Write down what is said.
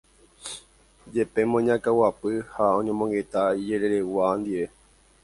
jepémo iñakãguapy ha oñemongeta ijereregua ndive.